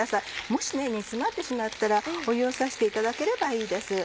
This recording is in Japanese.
もし煮つまってしまったら湯を差していただければいいです。